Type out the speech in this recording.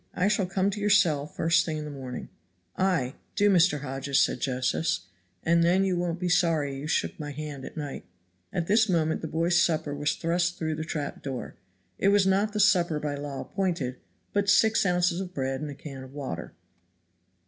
I shall come to your cell the first thing in the morning." "Ay, do, Mr. Hodges," said Josephs, "and then you won't be sorry you shook hands at night." At this moment the boy's supper was thrust through the trap door; it was not the supper by law appointed, but six ounces of bread and a can of water.